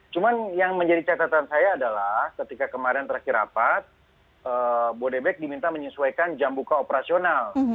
cuma yang menjadi catatan saya adalah ketika kemarin terakhir rapat bodebek diminta menyesuaikan jam buka operasional